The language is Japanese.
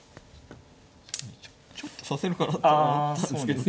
ちょっと指せるかなとは思ったんですけどね。